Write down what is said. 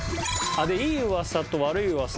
いい噂と悪い噂